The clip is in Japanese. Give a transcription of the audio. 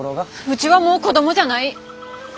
うちはもう子供じゃない！